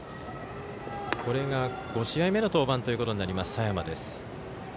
これが５試合目の登板となります、佐山です。